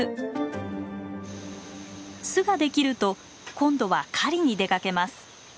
巣ができると今度は狩りに出かけます。